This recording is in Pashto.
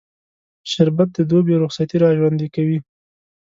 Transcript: شربت د دوبی رخصتي راژوندي کوي